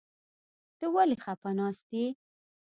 ته ولې خپه ناست يې ؟